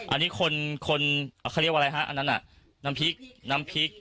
อันนี้คนคนเขาเรียกว่าอะไรฮะอันนั้นน่ะน้ำพริกน้ำพริก